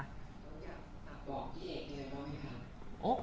อยากบอกที่เอกยังไงบ้างค่ะ